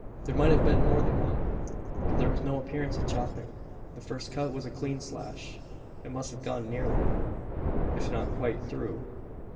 "There might have been more than one. But there was no appearance of chopping. The first cut was a clean slash; and must have gone nearly, if not quite, through.